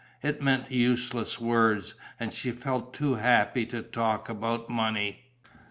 It meant useless words; and she felt too happy to talk about money.